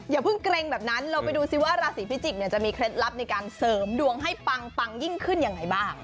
อย่าเพิ่งเกรงแบบนั้นเราไปดูซิว่าราศีพิจิกเนี่ยจะมีเคล็ดลับในการเสริมดวงให้ปังยิ่งขึ้นยังไงบ้าง